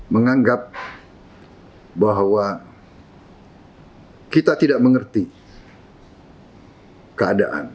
menganggap bahwa kita tidak mengerti keadaan